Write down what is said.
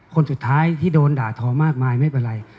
คนสุดท้ายที่โดนด่าทอมากมายไม่เป็นไร